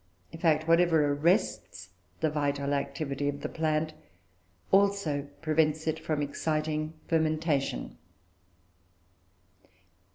In fact, whatever arrests the vital activity of the plant also prevents it from exciting fermentation.